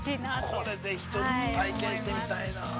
◆これ、ぜひちょっと体験してみたいな。